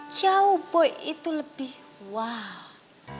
jauh boy itu lebih wow